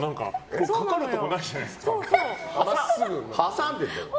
かかるところがないじゃないですか。